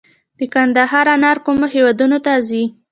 د کندهار انار کومو هیوادونو ته ځي؟